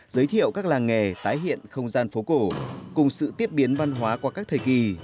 giới thiệu các làng nghề tái hiện không gian phố cổ cùng sự tiếp biến văn hóa qua các thời kỳ